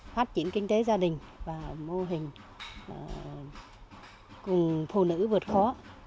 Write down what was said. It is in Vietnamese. phát triển kinh tế gia đình và mô hình cùng phụ nữ vượt khó